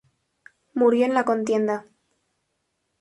Murió en la contienda.